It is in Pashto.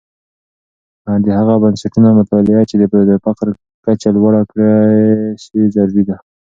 د هغه بنسټونو مطالعه چې د فقر کچه لوړه کړې سي، ضروری ده.